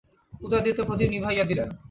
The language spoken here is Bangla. উদয়াদিত্য প্রদীপ নিভাইয়া দিলেন।